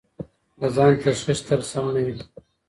د ځان تشخیص تل سم نه وي.